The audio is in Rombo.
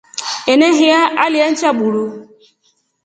Enehiya alya nja buru.